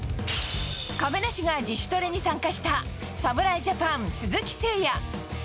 亀梨が自主トレに参加した侍ジャパン、鈴木誠也。